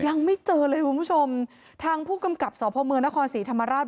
ยังไม่เจอเลยคุณผู้ชมทางผู้กำกับสพเมืองนครศรีธรรมราช